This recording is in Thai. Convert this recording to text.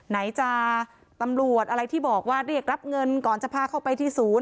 ไหนจะตำรวจอะไรที่บอกว่าเรียกรับเงินก่อนจะพาเข้าไปที่ศูนย์